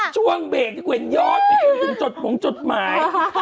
ช่วงเบรกที่ควรย้อนไปถึงจดผงจดหมาย